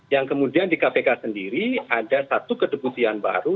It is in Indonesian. yang kemudian di kpk sendiri ada satu kedeputian baru